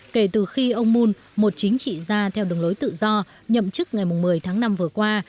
kể từ khi ông moon một chính trị gia theo đường lối tự do nhậm chức ngày một mươi tháng năm vừa qua